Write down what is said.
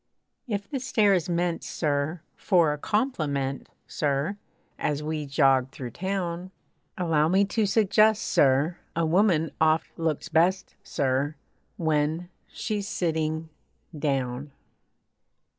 If the stare is meant, sir! For a compliment, sir! As we jog through town, Allow me to suggest, sir! A woman oft looks best, sir! When she's sitting down.